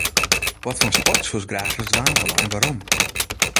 Watfoar sport soest graach ris dwaan wolle en wêrom?